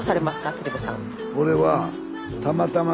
鶴瓶さん。